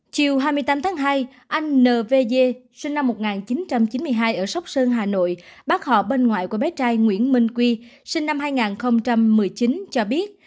chiều hai mươi tám tháng hai anh nv dê sinh năm một nghìn chín trăm chín mươi hai ở sóc sơn hà nội bác họ bên ngoài của bé trai nguyễn minh quy sinh năm hai nghìn một mươi chín cho biết